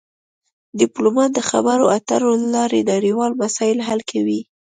ډیپلومات د خبرو اترو له لارې نړیوال مسایل حل کوي